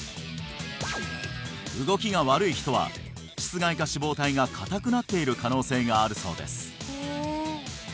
動きが悪い人は膝蓋下脂肪体が硬くなっている可能性があるそうです